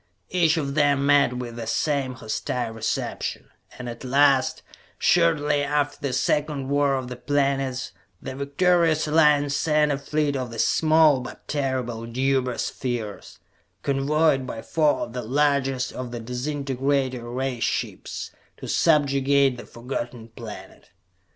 Each of them met with the same hostile reception, and at last, shortly after the second War of the Planets, the victorious Alliance sent a fleet of the small but terrible Deuber Spheres, convoyed by four of the largest of the disintegrator ray ships, to subjugate the Forgotten Planet.